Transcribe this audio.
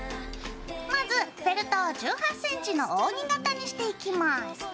まずフェルトを１８ｃｍの扇形にしていきます。